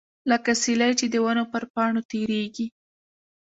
لکه سیلۍ چې د ونو پر پاڼو تیریږي.